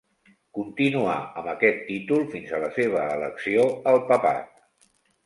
Continuà amb aquest títol fins a la seva elecció al papat.